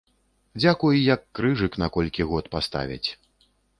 Дзякуй, як крыжык на колькі год паставяць.